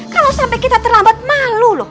kalau sampai kita terlambat malu loh